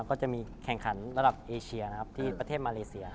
ก็จะมีแข่งขันระดับเอเชียนะครับที่ประเทศมาเลเซีย